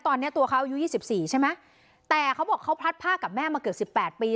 ตอนนี้ตัวเขาอายุยี่สิบสี่ใช่ไหมแต่เขาบอกเขาพลัดผ้ากับแม่มาเกือบสิบแปดปี